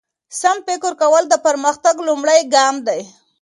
سم فکر کول د پرمختګ لومړی ګام دی.